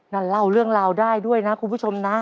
นั่นเล่าเรื่องราวได้ด้วยนะคุณผู้ชมนะ